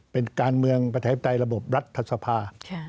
เป็นการเมืองประชาธิปไตยระบบรัฐสภา